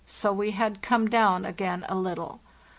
so we had come down again a little.